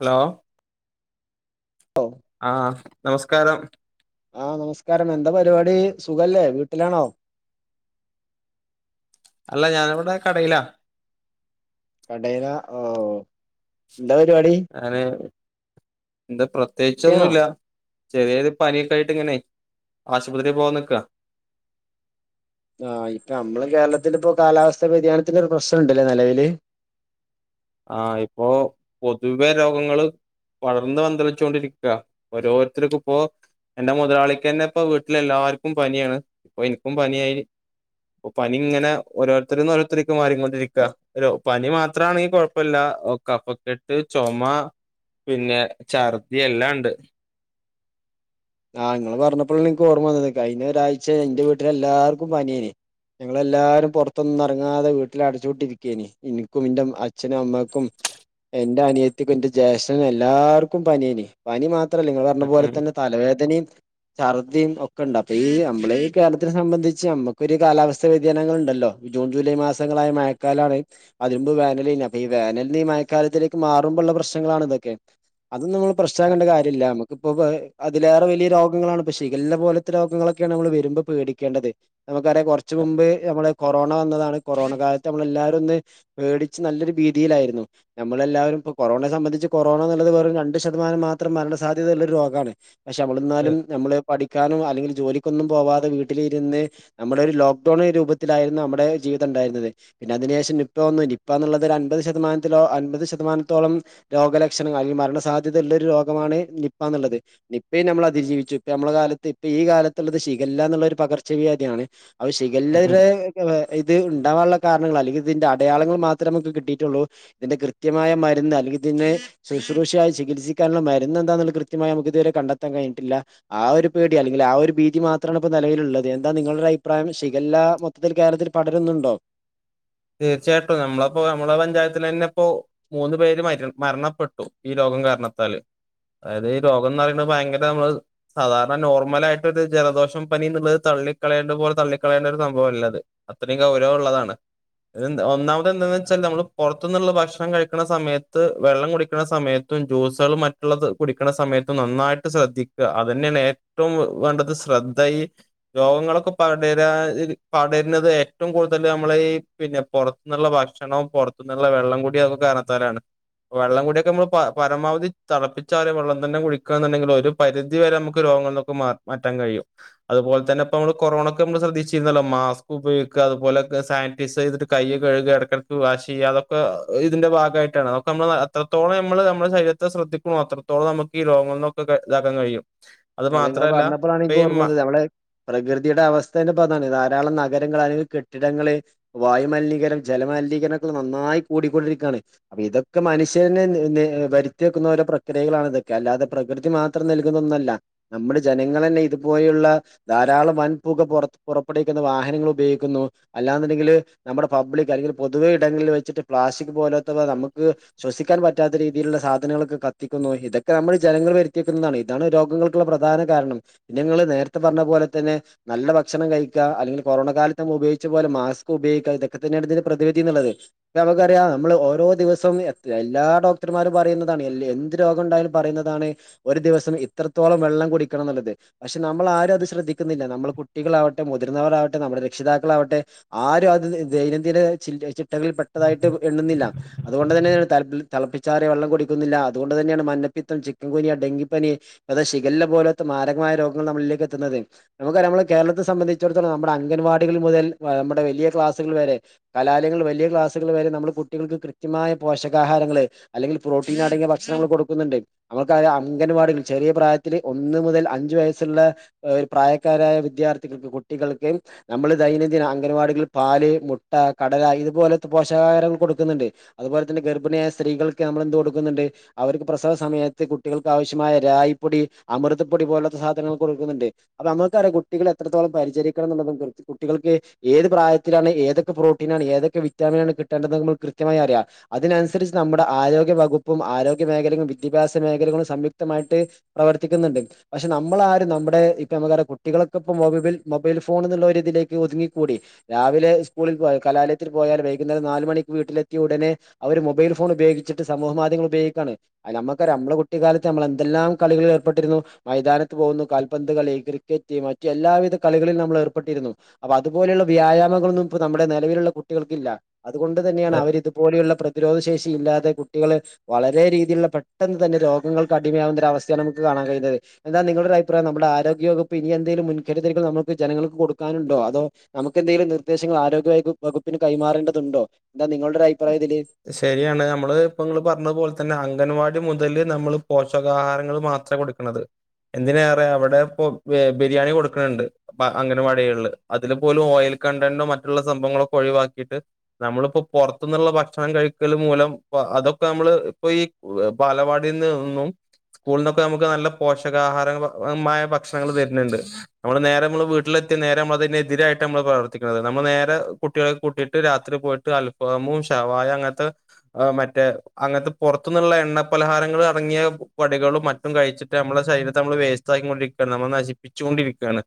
Hello ഓ ആഹ് നമസ്കാരം ആഹ് നമസ്കാരം എന്താ പരിപാടി സുഖല്ലേ വീട്ടിലാണോ അല്ല ഞാനിവിടെ കടേലാ കടേല ഓഹ് ന്ത പരിപാടി ഞാന് ന്ത യാണോ പ്രത്യേച്ചൊന്നുല്ല ചെറ്യേരു പനിയൊക്കായിട്ട് ഇങ്ങനെ ആശുപത്രി പോവനിക്ക ആഹ് ഇപ്പൊ ഞംള് കേര്ളത്തിലിപ്പോ കാലാവസ്ഥാ വ്യതിയാനത്തിന് ഒരു പ്രശ്നണ്ട്ല്ലേ നെലവില് ആഹ് ഇപ്പൊ പൊതുവെ രോഗങ്ങള് വളർന്ന് പന്തലിച്ചോണ്ടിരിക്ക ഒരോര്ത്തര്കിപ്പോ എന്റെ മുതലാളിക്കെന്നെ ഇപ്പ വീട്ട്ലെല്ലാര്ക്കും പനിയാണ് ഇപ്പൊ ഇൻക്കും പനിയായി പ്പ പനിങ്ങനെ ഓരോര്ത്തരിന്ന് ഓരോര്ത്ത്രിക്ക് മാറിങ്ങൊണ്ടിരിക്ക പനി മാത്രാണെ കൊഴ് പ്പല്ല ഒ കഫക്കെട്ട് ചൊമ പിന്നെ ഛർദി എല്ലാണ്ട് ആഹ് ഇങ്ങള് പവഞ്ഞപ്ലാണ് ഇൻക്കോർമ്മ വന്നത് കൈഞ്ഞരായ്ച ഇന്റെ വീട്ടിലെല്ലാർക്കും പനിയെയ്നി ഞങ്ങളെല്ലാരും പൊർത്തൊന്നും എർങ്ങാതെ വീട്ടിലടച്ചൂട്ടി ഇരിക്കേനി ഇനിക്കും ഇൻ്റ അച്ഛനും അമ്മാക്കും എന്റെ അനിയത്തിക്കും എന്റെ ജേഷ്ഠനും എല്ലാർക്കും പനിയേനി പനി മാത്രല്ല നിങ്ങൾ പർഞ്ഞ ഉം പോല ഉം തന്നെ തലവേദനിം ഛർദിം ഒക്കെണ്ട് അപ്പ ഈ അമ്മളീ കേര്ളത്തിനെ സംബന്ധിച്ച് അമ്മക്കൊരു കാലാവസ്ഥാ വ്യതിയാനങ്ങളിണ്ടല്ലോ ജൂൺ ജൂലൈ മാസങ്ങളായ മയക്കാലാണ് അതിനുമ്പ് വേനലേനി അപ്പൊ ഈ വേനൽന് ഈ മയക്കാലത്തിലേക്ക് മാറുമ്പള്ള പ്രശ്നങ്ങളാണ് ഇതൊക്കെ അതൊന്നുങ്ങള് പ്രശ്നാക്കണ്ട കാര്യല്ല അമ്മക്കിപ്പൊ ഇതിലേറെ വലിയ രോഗങ്ങളാണ് ഇപ്പൊ ഷിഖല്ല പോലത്തെ രോഗങ്ങളൊക്ക്യാണ് നമ്മള് വരുമ്പൊ പേടിക്കേണ്ടത് നമുക്കറിയാം കൊർച്ച മുമ്പ് ഞമ്മള് കൊറോണ വന്നതാണ് കൊറോണ കാൽത്ത് നമ്മള് എല്ലാരൊന്ന് പേടിച്ച് നല്ലൊരു ഭീതീലാര്ന്നു ഞമ്മളെല്ലാരുപ്പൊ കൊറോണെ സംബന്ധിച്ച് കൊറോണ എന്നിള്ളത് വെറും രണ്ട് ശതമാനം മാത്രം മരണ സാധ്യതള്ളൊരു രോഗാണ് പഷമ്മളിന്നാലും അതെ. ഞമ്മള് പഠിക്കാനും അല്ലെങ്കിൽ ജോലിക്കൊന്നും പോവാതെ വീട്ടിലിരുന്ന് നമ്മളൊരു ലോക്ക്ഡൗൺ രൂപത്തിലായ്ര്ന്നു നമ്മുടെ ജീവിതണ്ടായിര്ന്നത് പിന്നെ അതിനേഷം നിപ്പ വന്നു നിപ്പ ന്നിള്ളതൊരുൻപത് ശതമാനത്തിലോ അൻപത് ശതമാനത്തോളം രോഗലക്ഷണങ്ങൾ അല്ലെങ്കിൽ മരണ സാധ്യത ഉള്ള ഒരു രോഗമാണ് നിപ്പ എന്നുള്ളത് നി പി നമ്മള അതിജീവിച്ചു ഇപ്പ നമ്മളെ കാലത്ത് ഇപ്പൊ ഈ കാലത്തുള്ളത് ശിഖല്ല എന്നുള്ളൊരു പകർച്ചവ്യാധിയാണ് അപ്പോ ഷിഗല്ല ഉം ഉം ഇതുവരെ ഇത് ഉണ്ടാകാനുള്ള കാരണങ്ങൾ അല്ലെങ്കിൽ ഇതിന്റെ അടയാളങ്ങൾ മാത്രമേ നമുക്ക് കിട്ടിയിട്ടുള്ളൂ ഇത് കൃത്യമായ മരുന്ന് അല്ലെങ്കിൽ തന്നെ ശുശ്രൂഷയായി ചികിത്സിക്കാനുള്ള മരുന്ന് എന്താന്നുള്ള കൃത്യമായി നമുക്ക് ഇതുവരെ കണ്ടെത്താൻ കഴഞ്ഞിട്ടില്ല ആ ഒരു പേടി അല്ലെങ്കിൽ ആ ഒരു ഭീതി മാത്രമാണ് ഇപ്പ നിലവിലുള്ളത് എന്താ നിങ്ങളുടെ അഭിപ്രായം ഹിഗല്ല കേരളത്തിൽ പടരുന്നുണ്ടോ തീർച്ചയായിട്ടും നമ്മളപ്പോ നമ്മളെ പഞ്ചായത്തി തന്നെ ഇപ്പോ മൂന്ന് പേര് മര മരണപ്പെട്ടു ഈ രോഗം കാരണത്താൽ അതായത് ഈ രോഗം എന്ന് പറയ ഭയങ്കര നമ്മള് സാധാരണ നോർമല ആയിട്ടൊ ഒരു ജലദോഷം പനിന്നുള്ളത് തള്ളിക്കളയണ്ട പോലെ തള്ളിക്കളയേണ്ട ഒരു സംഭവം അല്ല അത് അത്രയും ഗൗരവം ഉള്ളതാണ് ഒന്നാമത് എന്താന്ന് വെച്ചാൽ നമ്മള് പുറത്തു നിന്നുള്ള ഭക്ഷണം കഴിക്കണ സമയത്ത് വെള്ളം കുടിക്കണ സമയത്ത് ജ്യൂസുകളും മറ്റുള്ളത് കുടിക്കണ സമയത്ത നന്നായിട്ട് ശ്രദ്ധിക്കുക അത് തന്നെയ ഏറ്റവും ഏറ്റവും വേണ്ടത് ശ്രദ്ധയ രോഗങ്ങളൊക്കെ പടര പടരുന്നത് ഏറ്റവും കൂടുതൽ നമ്മള ഈ പിന്നെ പുറത്തുന്നുള്ള ഭക്ഷണവും പുറത്തു നിന്നുള്ള വെള്ളം കൂടി അതൊക്കെ കാരണത്താലാണ് വെള്ളം കൂടിയൊക്കെ നമ്മൾ പരമാവധി തിളപ്പിച്ചാറിയ വെള്ളം തന്നെ കുടിക്കുകന്നുണ്ടെങ്കിൽ ഒരു പരിധി വരെ നമുക്ക് രോഗങ്ങങ്ങളക്ക ക്ക് മാർ മാറ്റാൻ കഴിയും അതുപോലെ തന്നെപ്പ അമ്മള് കൊറോണക്കമ്മള് ശ്രദ്ധിച്ചിന്നല്ലോ മാസ്ക് ഉപയൊഗിക്ക അത്പോലെക്കെ സാൻ പിസെയ്യ്ത്ട്ട് കൈ കഴുക എടക്ക് എടക്ക് വാഷ് ചെയ്യ അതൊക്കെ ഇതിന്റെ ഭാഗയിട്ടാണ് അതൊക്കെമ്മളെ എത്രത്തോളം ഞമ്മള് ഞമ്മളെ ശരീരത്തെ ശ്രദ്ധിക്ക്ണോ അത്രത്തോളം ന്നമക്ക് ഈ രോഗങ്ങളന്നൊക്കെ ഇതാക്കാൻ കഴിയും. അത് അതെ ഇങ്ങള് മാത്രല്ല പറഞ്ഞപ്പളാണ് ഇപ്പ ഇൻക്ക് ഈ ഓർമ്മ മ വന്നത് ഞമ്മള് പ്രകൃതിയുടെ അവസ്ഥേന്നെപതാണ് ധാരാളം നഗരങ്ങൾ അല്ലെങ്കിൽ കെട്ടിടങ്ങള് വായുമലിനീകരണം ജല മലിനീകരണോക്കെ നന്നായി കൂടിക്കൊണ്ടിരിക്കാണ്. അപ്പൊ ഇതൊക്കെ മനുഷ്യന് നെ വരുത്തിവെക്കുന്നഓരോ പ്രക്രിയകളാണ് ഇതൊക്കെ അല്ലാതെ പ്രകൃതി മാത് ത്രം ന്നൽകുന്നൊന്നല്ല ന്നമ്മള് ജനങ്ങളെന്നെ ഇത്പോലെയുള്ള ധാരാളം വൻപുക പോറത്തു പുറപ്പെടുവിക്കുന്ന വാഹനങ്ങൾ ഉപയോഗിക്കുന്നു. അല്ലാന്നുണ്ടെങ്കില് ന്നമ്മുടെ പബ്ലിക് അല്ലെങ്കിൽ പൊതുവെ ഇടങ്ങളിൽ വെച്ചിട്ട് പ്ലാസ്റ്റിക് പോലോത്തവ ന്നമ്മക്ക് ശ്വസിക്കാൻ പറ്റാത്ത രീതിയിലുള്ള സാധനങ്ങളൊക്കെ കത്തിക്കുന്നു ഇതൊക്കെ ന്നമ്മൾ ജനങ്ങൾ വെരുത്തിവെക്കുന്നതാണ് ഇതാണ് രോഗങ്ങൾക് ക്കുള്ള പ്രധാന കാരണം പിന്നെങ്ങള് നേരത്തെ പറഞ്ഞ പോലെ തന്നെ ന്നല്ല ഭക്ഷണം കഴിക്ക അല്ലെങ്കിൽ കൊറോണ കാലത്ത് ന്നമ്മള് ഉപയോഗിച്ച പോലെ മാസ്ക് ഉപയോഗിക്കു ഇതൊക്കെ തന്നെയാണ് ഇതിന്റെ പ്രതിവിധി എന്നുള്ളത്. ഇപ്പ ഞമക്കറിയാ ന്നമ്മള് ഓരോ ദിവസവും എത് എല്ലാ ഡോക്ടർമാരും പറയുന്നതാണ് എൽ എന്ത് രോഗംണ്ടായാലും പറയുന്നതാണ് ഒര് ദിവസം ഇത്രത്തോളം വെള്ളം കുടിക്കണംന്നുള്ളത്. പഷെ ന്നമ്മളാരും അത് ശ്രദ്ധിക്കുന്നില്ല ന്നമ്മൾ കുട്ടികളാവട്ടെ മുതിർന്നവരാവട്ടെ ന്നമ്മൾ രക്ഷിതാക്കളാവട്ടെ. ആരു അത് ദൈനംദിന ചിൽ ചിട്ടകളിൽ പെട്ടതായിട്ട് എണ്ണുന്നില്ല. അത്കൊണ്ട് തന്നെണ് തലപ്പിൽ തളപ്പിച്ചാറിയ വെള്ളം കുടിക്കുന്നില്ല അതുകൊണ്ട് തന്നെയാണ് മന്നപ്പിത്തം ചിക്കൻകുനിയ ഡെങ്കിപ്പനി അത് ശിഗേല്ല പോലോത്ത മാരകമായ രോഗങ്ങൾ ന്നമ്മളിലേക്ക് എത്തുന്നത്. ന്നമുക്കറിയ ന്നമ്മള് കേരളത്തെ സംബന്ധിച്ചിടത്തോളം ന്നമ്മടെ അംഗൻവാടികൾ മുതൽ ന്നമ്മടെ വലിയ ക്ലാസ്സുകൾ വരെ. കലാലയങ്ങൾ വലിയ ക്ലാസ്സുകൾ വരെ ന്നമ്മള് കുട്ടികൾക്ക് കൃത്യമായ പോഷകാഹാരങ്ങള്ൾ അല്ലെങ്കിൽ പ്രോട്ടീൻ അടങ്ങിയ ഭക്ഷണങ്ങൾ കൊടുക്കുന്നുണ്ട് ന്നമുക്ക് അംഗൻവാടികൾ ചെറിയ പ്രായത്തില് ഒന്ന് മുതൽ അഞ്ചു വയസ്സ്ള്ള എഹ് ഒരു പ്രായക്കാരായ വിദ്യാർത്ഥികൾക്ക് കുട്ടികൾക്ക് ന്നമ്മള് ദൈനംദിന അംഗൻവാടികൾ പാല്, മുട്ട, കടല ഇതുപോലത്തെ പോഷകാഹാരങ്ങൾ കൊടുക്കുന്നുണ്ട്. അതുപോലെ തന്നെ ഗർഭിണിയായ സ്ത്രീകൾക്ക് ന്നമ്മൾ എന്തു കൊടുക്കുന്നുണ്ട് അവർക്ക് പ്രസവ സമയത്ത് കുട്ടികൾക്ക് ആവശ്യമായ റാഗി പ്പൊടി അമൃതപ്പൊടി പോലത്തെ സാധനങ്ങൾ കൊടുക്കുന്നുണ്ട്. അപ്പൊ നമ്മക്കറിയ കുട്ടികൾ എത്രത്തോളം പരിചരിക്കണം എന്നുള്ളതും കുട്ടികൾക്ക് ഏത് പ്രായത്തിലാണ് ഏതൊക്കെ പ്രോട്ടീനാണ് ഏതൊക്കെ വിറ്റാമിനാണ് കിട്ടേണ്ടത് ന്നമ്മൾക്ക് കൃത്യമായി അറിയാം. അതിനനുസരിച്ച് ന്നമ്മുടെ ആരോഗ്യ വകുപ്പും ആരോഗ്യ മേഖലകളും വിദ്യാഭ്യാസ മേഖലകളും സംയുക്തമായിട്ട് പ്രവർത്തിക്ക്ന്ന്ണ്ട് പഷെ ന്നമ്മളാരും ന്നമ്മടെ ഇപ്പൊ ന്നമുക്കറിയ കുട്ടികളൊക്കെപ്പൊ മൊബബിൽ മൊബൈൽ ഫോൺ എന്നുള്ള ഒരിതിലേക്ക് ഒതുങ്ങിക്കൂടി. രാവിലെ ഇസ്കൂളിൽ പോയാ കലാലയത്തിൽ പോയാൽ വൈകുന്നേരം നാലുമണിക്ക് വീട്ടിലെത്തിയ ഉടനെ അവര് മൊബൈൽ ഫോൺ ഉപയോഗിച്ചിട്ട് സമൂഹ മാധ്യമങ്ങ ഉപയോഗിക്കാണ് അ ന്നമക്കറിയ ന്നമ്മള് കുട്ടികാലത്ത് ത്ത് ന്നമ്മൾ എന്തെല്ലാം കളികളിൽ ഏർപ്പെട്ടിരുന്നു. മൈതാനത്ത് പോകുന്നു കാൽപന്ത് കളി ക്രിക്കറ്റ് മറ്റ് എല്ലാവിധ കളികളിൽ ന്നമ്മൾ ഏർപ്പെട്ടിരുന്നു. അപ്പൊ അതുപോലെയുള്ള വ്യായാമങ്ങളൊന്നും ഇപ്പൊ ന്നമ്മുടെ ന്നെലവിലുള്ള കുട്ടികൾക്കില്ല അതുകൊണ്ട് തന്നെയാണ് അതെ, അവരിത് പോലുള്ള പ്രതിരോധ ശേഷി ഇല്ലാതെ കുട്ടികള് വളരെ രീതിയിലുള്ള പെട്ടെന്ന് തന്നെ രോഗങ്ങൾ കടിമയാവുന്ന ഒര അവസ്ഥയാണ് ന്നമുക്ക് കാണാൻ കഴിയുന്നത്. എന്താ ന്നിങ്ങളുടെ ഒരഅഭിപ്രായം ന്നമ്മളെ ആരോഗ്യവകുപ്പ് ഇനി എന്തെലും മുൻകരുതലുകൾ ന്നമക്ക് ജനങ്ങൾക്ക് കൊടുക്കാനുണ്ടോ അതോ ന്നമുക്ക്ന്തെലും നിർദ്ദേശങ്ങൾ ആരോഗ്യ വയപ്പ് വകുപ്പിന് കൈമാറേണ്ടതുണ്ടോ എന്താ ന്നിങ്ങളുടെ ഒരു അഭിപ്രായം ഇതില്? ശെരിയാണ് അമ്മള് ഇപ്പൊ ഇങ്ങള് പറഞ്ഞപോലെ തന്നെ അംഗൻവാടി മുതൽ ന്നമ്മള് പോഷകാഹാരങ്ങൾ മാത്രാ കൊട് ക്ക്ണത് എന്തിനേറെ അവടെ ഇപ്പൊ എഹ് ബിരിയാണി കൊടുക്ക്ണ് ണ്ട്. ബ അഗണവാടിഗള്ല് അതില് പോലും ഓയിൽ കണ്ടന്റോ മറ്റുള്ള സംഭവങ്ങളൊക്കെ ഒഴിവാക്കിയിട്ട് ന്നമ്മളിപ്പോ പൊർത്ത്ന്നുള്ള ഭക്ഷണം കഴിക്കൽ മൂലം പ അതൊക്കെ അമ്മള് ഇപ്പൊ ഈ ബാലവാടി ന്ന്ന്നും സ്കൂള്ന്നൊക്കെ ന്നമുക്ക് ന്നല്ല പോഷകാഹാരമായ ഭക്ഷണങ്ങൾ തെര്ന്ന്ണ്ട്. ന്നമ്മള് നേരെ ന്നമ്മള് വീട്ടിലെത്തിയ നേരെ ന്നമ്മള് അതിനെതിരായിട്ട ന്നമ്മള് പ്രവർത്തിക്കുന്നത് ന്നമ്മൾ നേരെ കുട്ട് കുട്ട്യാളെ കൂട്ടിയിട്ട് രാത്രി പോയിട്ട് അൽഫാമും ശവായ അങ്ങനത്തെ മറ്റേ അങ്ങനത്തെ പുറത്തുന്നുള്ള എണ്ണ പലഹാരങ്ങൾ അടങ്ങിയ പടികളും മറ്റ കഴിച്ചിട്ട് നമ്മുടെ ശരീരത്തെ നമ്മള് വേസ്റ്റ് ക്കിക്കൊണ്ടിരിക്കുകയാണ് നമ്മ നശിപ്പിച്ചുൊണ്ടിരിക്കുവാണ്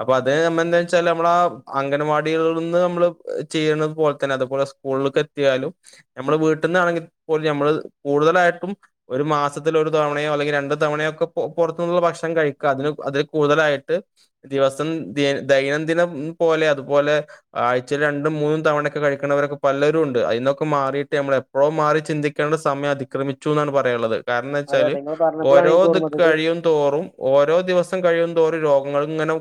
അപ്പൊ അത് നമ്മ എന്താ വെച്ചാല് നമ്മള ആ അംഗൻവാടികളിൽ നിന്ന് നമ്മള് ചെയ്യണുന്നത് പോലെ തന്നെ അതുപോലെ സ്കൂളിലക്ക് എത്തിയാലും നമ്മള് വീട്ടിൽന്നാണെങ്കിൽ പോലും നഞമ്മള് കൂടുതലായിട്ടും ഒരു മാസത്തിൽ ഒരു തവണയോ അല്ലെങ്കിൽ രണ്ടു തവണയോ ഒക്കെ പുറത്തു നിന്നുള്ള ഭക്ഷണം കഴിക്കുക അതിന് അതിൽ കൂടുതലായിട്ട് ദിവസം നേ ദൈനംദിനം പോലെ അതുപോലെ ആഴ്ച രണ്ടും മൂന്നും തവണയൊക്കെ കഴിക്കണവരൊക്കെ പലരും ഉണ്ട് അതിൽന്നൊക്കെ മാറിയിട്ട് നമ്മള എപ്പോഴും മാറി ചിന്തിക്കേണ്ട സമയം അതിക്രമിച്ചു എന്നാണ് പറയാനുള്ളത് കാരണം അതെ വെച്ചാല് അതെ ഇങ്ങള് പറഞ്ഞപ്പളാണ് എനിക്ക് ഓരോത് ഓർമ്മ വന്നത് കഴിയും തോറും ഓരോ ദിവസം കഴിയ തോറും രോഗങ്ങൾ ഇങ്ങനെ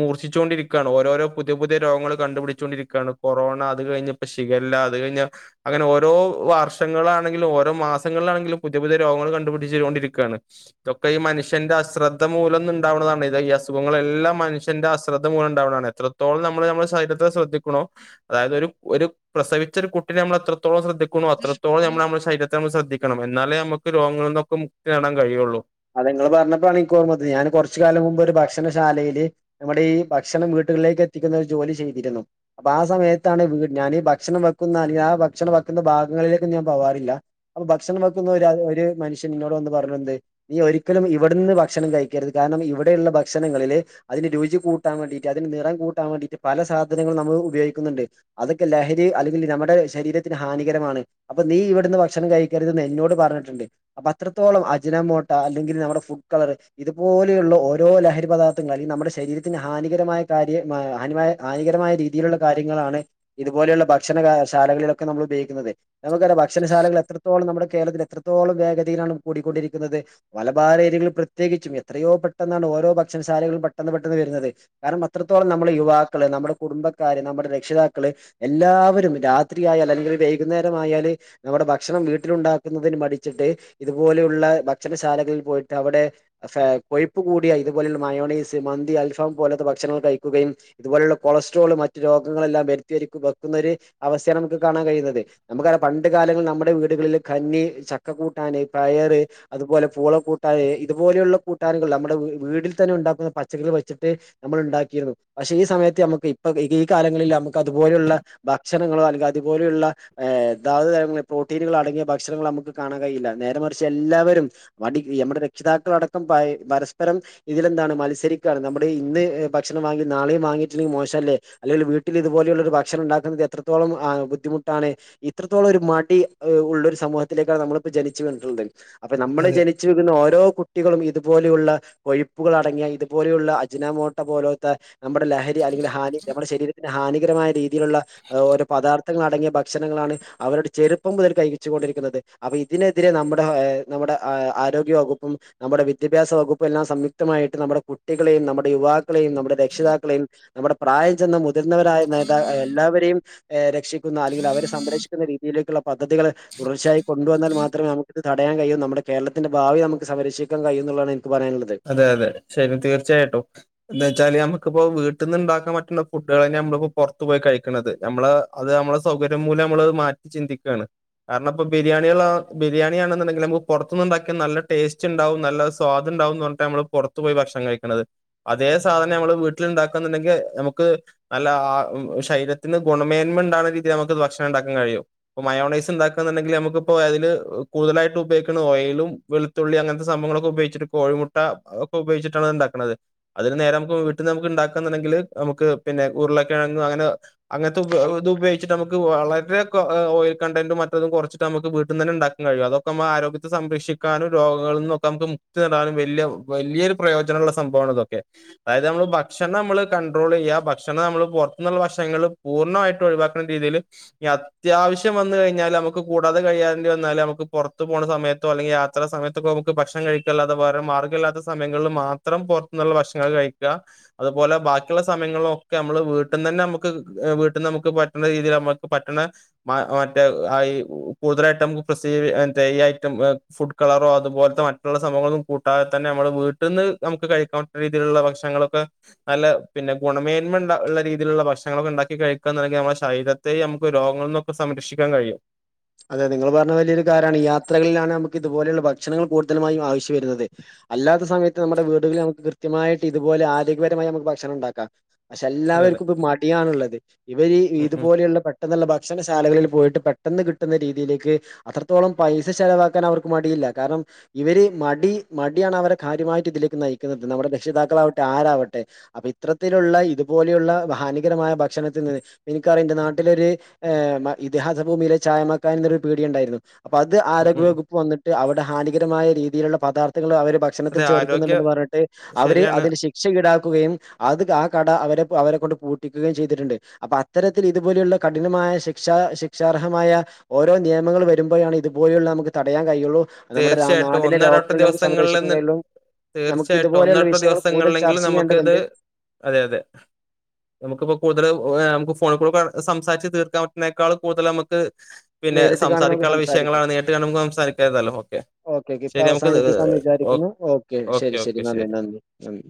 മൂർച്ിച്ചുകൊണ്ടിരിക്കുകയാണ് ഓരോരോ പുതിയ പുതിയ രോഗങ്ങൾ കണ്ടുപിടിച്ചൊണ്ടിരിക്കുകയാണ് കൊറോണ അത് കഴിഞ്ഞപ്പോ ശികല്ല അത് കഴിഞ്ഞൽ അങ്ങനെ ഓരോ വർഷങ്ങളാണെങ്കിലും ഓരോ മാസങ്ങളിലാണെങ്കിലും പുതിയ പുതിയ രോഗങ്ങൾ കണ്ടുപിടിച്ചുക കൊണ്ടിരിക്കുകയാണ് ഇതൊക്കെഈ മനുഷ്യന്റെ അശ്രദ്ധ മൂലം ഉണ്ടുന്നതാണ് ഇ ഈസുഖങ്ങളെല്ലാം മനുഷ്യന്റെ അശ്രദ്ധ മൂലം ഉണ്ടാവുന്നതാണ് എത്രത്തോളം നമ്മള് നമ്മുടെ ശരീരത്തെ ശ്രദ്ധിക്കണോ അതായത് ഒരു ഒരു പ്രസവിച്ച ഒരു കുട്ടിനെ നമ്മള എത്രോള ശ്രദ്ധിക്കണോ അത്രത്തോള നമ്മ നമ്മ ശരീര ന ശ്രദ്ധിക്കണം ണം എന്നാലേ നമുക്ക് രോഗങ്ങള നിന്നൊക്കെ മുക്തി നേടൻ കഴിയുള്ളൂ. അത് നിങ്ങള് പറഞ്ഞപ്പോഴാണ് എനിക്ക് ഓർമ്മത് ഞാൻ കുറച്ച കാലം മുമ്പ് ഒരു ഭക്ഷണശാലയില് നമ്മുടെ ഈ ഭക്ഷണം വീട്ടുകളിലേക്ക് എത്തിക്കുന്ന ഒരു ജോലി ചെയ്തിരുന്നു അപ്പൊ ആ സമയത്താണ് വീട് ഞാൻീ ഭക്ഷണം വെക്കുന്ന ആ ഭക്ഷണം വെക്കുന്ന ഭാഗങ്ങളിലേക്കും ഞാൻ പോവാറില്ല അപ്പൊ ഭക്ഷണം വെക്കുന്ന ഒരു ഒരു മനുഷ്യൻ ഇന്നോട് വന്ന് പറഞ്ഞണ്ട് നീ ഒരിക്കലും ഇവിടുന്ന് ഭക്ഷണം കഴിക്കരുത് കാരണം ഇവിടെയുള്ള ഭക്ഷണങ്ങളില് അതിന് രുചി കൂട്ടാൻ വേണ്ടിട്ട് അതിന്റെ നിറം കൂട്ടാൻ വേണ്ടിട്ട് പല സാധനും നമ്മൾ ഉപയോഗിക്കുന്നുണ്ട് അതൊക്കെ ലഹരി അല്ലെങ്കിൽ നമ്മുടെ ശരീരത്തിന് ഹാനികരമാണ് അപ്പൊ നീ ഇവിടുന്ന് ഭക്ഷണം കഴിക്കരുത്ന്ന് എന്നോട് പറഞ്ഞിട്ടുണ്ട് അപ്പൊ അത്രത്തോളം അജനോട്ട അല്ലെങ്കിൽ നമ്മുടെ ഫുഡ് കളറ് ഇതുപോലെയുള്ള ഓരോ ലഹരി പദാർത്ഥങ്ങളൾ അല്ലെങ്കിൽ നമ്മുടെ ശരീരത്തിന് ഹാനികരമായ കാര്യം ഹാനമായ ഹാനികരമായ രീതിയിലുള്ള കാര്യങ്ങളാണ് ഇതുപോലെയുള്ള ഭക്ഷണ ശാലകളിലൊക്കെ നമ്മൾ ഉപയോഗിക്കുന്നത്. നമുക്കറിയ ഭക്ഷണശാലകൾ എത്രത്തോളം നമ്മുടെ കേരളത്തിൽ എത്രത്തോളം വേഗതയിലാണ് കൂടിക്കൊണ്ടിരിക്കുന്നത്. മലബാരഏരികൾ പ്രത്യേകിച്ചും എത്രയോ പെട്ടെന്നാണ് ഓരോ ഭക്ഷണശാലകളും പെട്ടെന്ന് പെട്ടെന്ന് വരുന്നത് കാരണം അത്രത്തോളം നമ്മള യുവാക്കള് നമ്മുടെ കുടുംബക്കാര് നമ്മുടെ രക്ഷിതാക്കള് എല്ലാവരും രാത്രി ആയാൽ അല്ലെങ്കിൽ വൈകുന്നേരം ആയാല് നമ്മുടെ ഭക്ഷണം വീട്ടിലുണ്ടാക്കുന്നതിന് മടിച്ചിട്ട് ഇതുപോലെയുള്ള ചെല ശാലകളിൽ പോയിട്ട് അവിടെ കൊയിപ്പ് കൂടിയ ഇതുപോലെഉള്ള മയോണൈസ് മന്തി അൽഫാം പോലത്തെ ഭക്ഷണങ്ങൾ കഴിക്കുകയും ഇതുപോലെയുള്ള കൊളസ്ട്രോള് മറ്റു രോഗങ്ങളെല്ലാം വരുത്തി വെക്കുന്നൊരു അവസ്ഥയാണ് നമുക്ക് കാണാൻ കഴിയുന്നത് നമുക്കറിയാം പണ്ട് കാലങ്ങളിൽ നമ്മുടെ വീടുകളില് കഞ്ഞി ചക്കക്കൂട്ടാന് പയറ് അതുപോലെ പൂള കൂട്ടാന് ഇത് പോലെയുള്ള കൂട്ടാനുകൾ നമ്മുടെ വീട്ടിൽ തന്നെ ഉണ്ടാക്കുന്ന പച്ചക്കറികൾ വെച്ചിട്ട് നമ്മൾ ഉണ്ടാക്കിയിരുന്നു പക്ഷെ ഈ സമയത്ത് നമുക്ക് ഇപ്പൊ ഈ കാലങ്ങളിൽ നമുക്ക് അതുപോലെയുള്ള ഭക്ഷണങ്ങളോ അല്ലാത ഇതുപോലെയുള്ളതാധുതങ്ങളെ പ്രോട്ടീനുകൾ അടങ്ങിയ ഭക്ഷണങ്ങൾ നമുക്ക് കാണാൻ കഴിയില്ല നേരെ മറിച്ച് എല്ലാവരും അടി നമ്മടെ രക്ഷിതാക്കളടക്കം പ പരസ്പ്പരം ഇതിലെന്താണ് മത്സരിക്കാണ് നമ്മുടെ ഇന്ന് ഭക്ഷണം വാങ്ങി നാളെയും വാങ്ങിട്ടില്ലെങ്കിൽ മോശം അല്ലേ അല്ലേല് വീട്ടിൽ ഇതുപോലെയുള്ള ഒരുഭക്ഷണം ഉണ്ടാക്കുന്നത് എത്രത്തോളം ആ ബുദ്ധിമുട്ടാണ് ഇത്രത്തോളം ഒരു മടി ഉള്ളൊരു സമൂഹത്തിലേക്കാണ് നമ്മളിപ്പൊ ജനിച്ചു വീണിട്ടുള്ളത് അപ്പൊ നമ്മളെ അതെ ജനിച്ച തിന് ഓരോ കുട്ടികളും ഇതുപോലെയുള്ള കൊഴിപ്പുകൾ അടങ്ങിയ ഇതുപോലെയുള്ള അജ്നാമോട്ട പോലത്ത നമ്മുടെ ലഹരി അല്ലെങ്കിൽ ഹാന നമ്മുടെ ശരീരത്തിന് ഹാനികരമായ രീതിയിലുള്ള ഓരോ പദാർത്ഥങ്ങൾ അടങ്ങിയ ഭക്ഷണങ്ങളാണ് അവരുടെ ചെറുപ്പം മുതൽ കഴിച്ചു കൊണ്ടിരിക്കുന്നത് അപ്പൊ ഇതിനെതിരെ നമ്മുടെ നമ്മുടെ ആരോഗ്യവകുപ്പും നമ്മുടെ വിദ്യാഭ്യാസ വകുപ്പ് എല്ലാം സംയുക്തമായിട്ട് നമ്മുടെ കുട്ടികളെയും നമ്മുടെ യുവാക്കളെയും നമ്മുടെ രക്ഷിതാക്കളെയും നമ്മുടെ പ്രായം ചെന്ന മുതിർന്നവരായ നേതാ എല്ലാവരെയും രക്ഷിക്കുന്ന അല്ലെങ്കിൽ അവരെ സംരക്ഷിക്കുന്ന രീതിയിലേക്കുള്ള പദ്ധതികള് തുടർച്ചായി കൊണ്ടുവന്നാൽ മാത്രമേ നമുക്കിത് തടയാൻ കഴിയ നമ്മുടെ കേരത്തിന്റെ ഭാവി നമുക്ക് സംരക്ഷിക്കാൻ കഴിയും ന്നുള്ളതാണ് എനിക്ക് പറയാനുള്ളത് അതെ അതെ ശരി തീർച്ചയായിട്ടും എന്താച്ചാല് നമ്മുക്കിപ്പൊ വീട്ടിൽന്ന് ഉണ്ടാക്കാൻ പറ്റുന്ന ഫുഡുകളന്നെ നമ്മളിപ്പൊ പുറത്തു പോയി കഴിക്കുന്നത് നമ്മള അത് നമ്മളെ സൗകര്യം മൂലംമ്മള് മാറ്റി ചിന്തിക്കുകയാണ് കാരണം ഇപ്പോ ബിരിയാണിയുള്ള ബിരിയാണിയാണെന്നുണ്ടെങ്കിൽ നമുക് പൊറത്ത്നിന്ന് ഉണ്ടാക്കിയാ നല്ല ടേസ്റ്റ് ഉണ്ടാവും നല്ല സ്വാദ് ഉണ്ടാവും ന്ന് പറ ട്ടാ മ്മള് പൊറത്തു പോയി ഭക്ഷണം കഴിക്കണത് അതേ സാധനം നമ്മള് വീട്ടിൽ ഉണ്ടാക്ക എന്ന്ണ്ടെങ്കിൽ നമുക്ക് നല്ല ആഹ് ശരീരത്തിന് ഗുണമേന്മ ഉണ്ടാവുന്ന രീതിൽ നമുക്ക് ഭക്ഷണം ണ്ടാക്കാൻ കഴിയും ഇപ്പൊ മയോണൈസ് ഉണ്ടാക്ക എന്നുണ്ടെങ്കിൽ നമുക്കിപ്പൊ അതില് കൂടുതലായിട്ടും ഉപയോഗിക്കുന്ന ഓയിലും വെളു തുള്ളി അങ്ങനത്തെ സംഭവങ്ങളൊക്കെ ഉപയോഗിച്ചിട്ട് കോഴിമുട്ട ഒക്കെ ഉപയോഗിച്ചിട്ടാണ് അത്ണ്ടാക്കുന്നത് അതിന് നേരെ നമുക്ക് വീട്ട്ന്ന് നമുക്ക് ഉണ്ടാക്കാന്നുണ്ടെങ്കിൽ നമുക്ക് പിന്നെ ഉരുളൊക്കെഴങ്ങും അങ്ങനെ അങ്ങനെത്തെ ദുബ ഗിച്ചിട്ട് നമുക്ക് വളരെ ഓയിൽ കണ്ടന്റും മറ്റതും കുറച്ചിട്ട് നമക്ക് വീട്ടിൽന്ന് തന്നെ ഉണ്ടാക്കാൻ കഴിയും അതൊക്കെ നമ്മുടെ ആരോഗ്യത്തെ സംരക്ഷിക്കും ക്കാനും രോഗങ്ങളിൽ നിന്നൊക്കെ നമുക്ക് മുക്തി നേടാനും വലിയ വലിയൊരു പ്രയോജനമുള്ള സംഭവമാണ് ഇതൊക്കെ അതായത് നമ്മള് ഭക്ഷണം മ്മള് കണ്ട്രോൾ ചെയ്യുക ഭക്ഷണം നമ്മൾ പുറത്തു നിന്നുള്ള ഭക്ഷണങ്ങൾ പൂർണ്ണമായിട്ട് ഒഴിവാക്ക [unintelligible] അത്യാവശ്യം വന്ന് കഴിഞ്ഞാൽ നമുക്ക് കൂടാതെ കിഴിയേണ്ടി വന്നാല് നമ്മക്ക് പൊറത്തു പോണ സമയത്തൊ അല്ലെങ്കിൽ യാ- ത്ര സമയത്തക്ക നമുക്ക് ഭക്ഷണം കഴിക്ക അല്ലാതെ വേറെ മാർഗം ഇല്ലാത്ത സമയങ്ങളിൽ മാത്രം പൊ റത്തു നിന്നുള്ള ഭക്ഷണങ്ങൾ കഴിക്ക അതുപോലെ ബാക്കിയുള്ള സമയങ്ങളിലും ഒക്കെ നമ്മള് വീട്ടിന്ന ന്നെ നമുക്ക് വീട്ടിൽന്ന് നമുക്ക് പറ്റണ രീതിയിൽ നമ്മുക്ക് പറ്റണ [unintelligible] കളറോ അതുപോലത്തെ മറ്റുള്ള സംഭവങ്ങളും കൂട്ടാതെ ത്തന്നെ നമ്മള് വീട്ടിൽന്ന് നമുക്ക് കഴിക്കാ പറ്റണ രീതിയിലുള്ള ഭക്ഷണങ്ങളൊക്കെ നല്ല പിന്നെ ഗുണമേന്മ ഉള്ള രീതിയിലുള്ള ഭക്ഷണങ്ങളൊക്കെ ഉണ്ടാക്കി കഴിക്കാന്നുണ്ടെങ്കിൽ നമ്മുടെ ശരീര [unintelligible] നമുക്ക് രോഗങ്ങളിൽ നിന്നൊക്കെ സംരക്ഷിക്കാൻ കഴിയും അതെ അതെ നിങ്ങൾ പറഞ്ഞ വലിയൊരു കാര്യമാണ് ഈ യാത്രകളിലാണ് നമുക്ക് ഇതുപോലെയുള്ള ഭക്ഷണങ്ങൾ കൂടുതലുമായും ആവശ്യമായി വരുന്നത് അല്ലാത്ത സമയത്ത് നമ്മുടെ വീടുകളിൽ നമുക്ക് കൃത്യമായിട്ട് ഇതുപോലെ ആരോഗ്യപരമായി നമുക്ക് ഭക്ഷണണ്ടാക്ക പക്ഷെ അതെ അതെ എല്ലാവർക്കും ഇപ്പ മടിയാണുള്ളത് ഇവര് ഉം ഉം ഇതുപോലെയുള്ള ഭക്ഷ പെട്ടന്നുള്ള ഭക്ഷണശാലകളിൽ പോയിട്ട് പെട്ടെന്ന് കിട്ട കിട്ടുന്ന രീതിയിലേക്ക് അത്രത്തോളം പൈസ ചെലവാക്കാൻ അവർക്ക് മടിയില്ല കാരണം ഇവര് മടി മടിയാണ് അവരെ കാര്യമായിട്ട് ഇതിലേക്ക് നയിക്കുന്നത് നമ്മുടെ രക്ഷിതാക്കളാവട്ടെ ആരാവട്ടെ അപ്പൊ ഇത്തരത്തിലുള്ള ഇതുപോലെള്ള ഹാനികരമായ ഭക്ഷണത്തിൽനിന്ന് എനിക്കററിം ഇന്റെ നാട്ടിലൊരു മ ഇതിഹാസ ഭൂമിയിലെ ഛായമാക്കാനി എന്നൊരു പീടയുണ്ടായിരുന്നു അപ്പൊ അത് ഉം ഉം ആരോഗ്യവകുപ്പ് വന്ന്ട്ട് അവിടെ ഹാനികരമായ രീതിയിലുള്ള പദാർത്ഥങ്ങൾ അവര് ഭക്ഷണത്തിൽ അതെ ആരോഗ്യ ചേർക്കുന്നുണ്ടന്ന് പറഞ്ഞിട്ട് അവര് ശരിയാണ് അതിന് ശിക്ഷ ശിക്ഷ ഈടാക്കുകയും അത് ആഹ് കട അവരെ അവരെ കൊണ്ട് പൂട്ടിക്കുകയും ചെയ്തിട്ടുണ്ട് അപ്പൊ അത്തരത്തിൽ ഇതുപോലെയുള്ള കഠിനമായ ശിക്ഷ ശിക്ഷാർഹം ശിക്ഷാർഹമായ ഓരോ നിയമങ്ങൾ വരുമ്പോഴാണ് ഇതുപോലെയുള്ള നമുക്ക് തടയാൻ കഴിയുള്ളൂ നമ്മുടെ തീർച്ചയായിട്ടും നാടിനെ ഒന്നിടവിട്ട രോഗങ്ങളിൽ നിന്ന് നമുക്ക് ദിവസങ്ങളിൽ സംരക്ഷിക്കാൻ നി കഴിയോള്ളു നമുക്ക് തീർച്ചയായിട്ടും ഇതുപോലെയുള്ള ഒന്നിടവിട്ട വിഷയങ്ങൾ കൂടുതൽ ദിവസങ്ങളിലെങ്കിലും ചർച്ച നമുക്കിത് ചെയ്യേണ്ടതുണ്ട് അതെ അതെ നമുക്കിപ്പ കൂടുതൽ നമുക്ക് ഫോണിൽ കൂടെ സംസാരിച്ച് തീർക്കാൻ പറ്റുതിനേക്കാൾ കൂടുതലൽ നമുക്ക് പിന്നെ നേരിട്ട് കാണുമ്പോൾ നമുക്ക് സംസാരിക്കാനുള്ള സംസാരിക്കാം വിഷയങ്ങളാണ് നേരിട്ട് കാണുമ്പോ നമ്മുക്ക് സംസാരിക്കാതല്ലോ ഓക്കെ ഓക്കെ ഇപ്പൊ അവസാനിപ്പിക്കാന്ന് വിചാരിക്കുന്നു ഓക്കെ ശരി ശരി നന്ദി നന്ദി നന്ദി